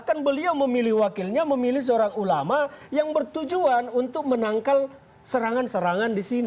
dan beliau memilih wakilnya memilih seorang ulama yang bertujuan untuk menangkal serangan serangan di sini